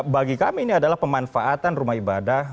bagi kami ini adalah pemanfaatan rumah ibadah